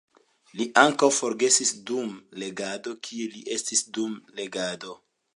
Li ankaŭ forgesis dum legado, kie li estis dum legado.